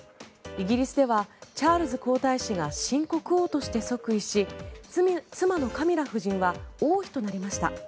イギリスではチャールズ皇太子が新国王として即位し妻のカミラ夫人は王妃となりました。